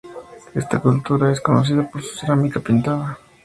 Esta cultura es conocida por su cerámica pintada.